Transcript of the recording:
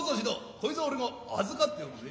こいつは俺があずかっておくぜ。